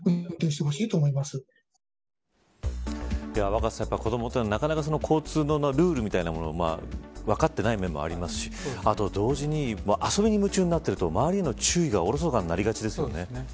若狭さん、子どもというのはなかなか交通のルールみたいなものが分かっていない面もありますし、同時に遊びに夢中になっていると周りへの注意がおろそかになりがちですよね。